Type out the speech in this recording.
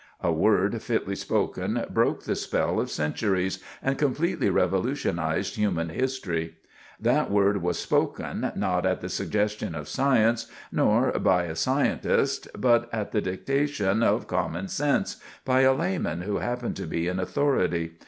A word fitly spoken broke the spell of centuries, and completely revolutionized human history. That word was spoken, not at the suggestion of science, nor by a scientist, but, at the dictation of common sense, by a layman who happened to be in authority.